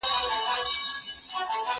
زه اوس اوبه پاکوم!.